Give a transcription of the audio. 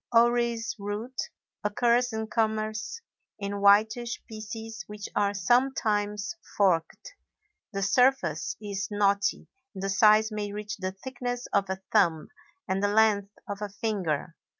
Orris root occurs in commerce in whitish pieces which are sometimes forked; the surface is knotty, and the size may reach the thickness of a thumb and the length of a finger.